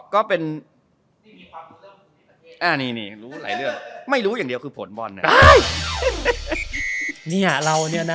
ก็เป็นไม่รู้อย่างเดียวคือผลบอล